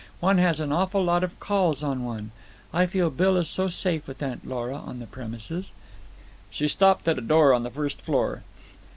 One has an awful lot of calls on one. I feel Bill is so safe with Aunt Lora on the premises." She stopped at a door on the first floor.